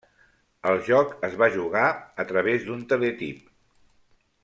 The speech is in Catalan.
El joc es va jugar a través d'un teletip.